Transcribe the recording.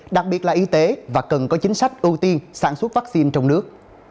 đặc biệt là y tế và cần có chính sách ưu tiên sản xuất vaccine trong nước